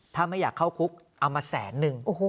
ถ้าไม่อยากเข้าคุกเอามาแสนนึง